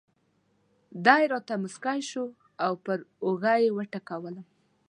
دی راته مسکی شو او پر اوږه یې وټکولم.